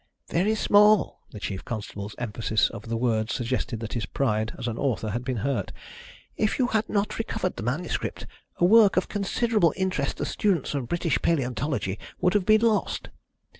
"Very small?" The chief constable's emphasis of the words suggested that his pride as an author had been hurt. "If you had not recovered the manuscript, a work of considerable interest to students of British paleontology would have been lost.